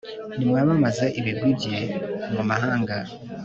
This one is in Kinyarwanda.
nimwamamaze ibigwi bye mu mahanga